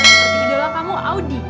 seperti idola kamu audi